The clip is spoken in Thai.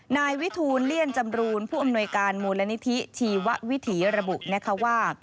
นายวิทูลเลี่ยนจำรูนผู้อำนวยการมูลนิธิชีววิถีระบุนะคะว่า